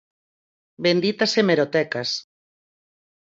Benditas hemerotecas!